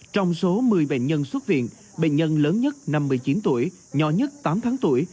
trong số một mươi bệnh nhân xuất viện bệnh nhân lớn nhất năm mươi chín tuổi nhỏ nhất tám tháng tuổi